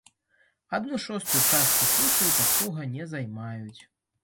Адну шостую частку сушы выпадкова не займаюць.